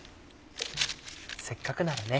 せっかくならね